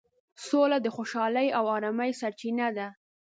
سوله د خوشحالۍ او ارامۍ سرچینه ده.